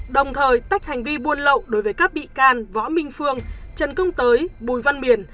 đồng thời tách hành vi buôn lậu đối với các bị can võ minh phương trần công tới bùi văn biển